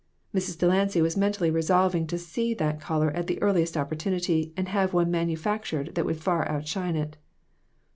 Mrs. Delancy was mentally resolving to see that collar at the earliest opportunity, and have one manufactured that would far outshine it.